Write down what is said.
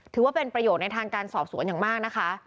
ถือว่าเป็นประโยชน์ในทางการสอบสวนอย่างมากนะคะ